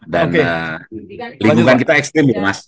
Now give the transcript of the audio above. dan lingkungan kita ekstrim ya mas